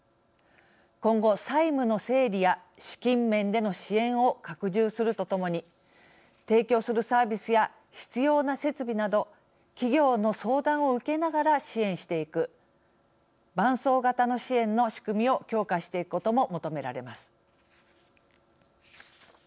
今後債務の整理や資金面での支援を拡充するとともに提供するサービスや必要な設備など企業の相談を受けながら支援していく伴走型の支援の仕組みを強化していくことも求められます。